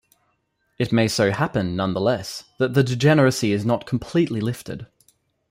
It may so happen, nonetheless, that the degeneracy is not completely lifted.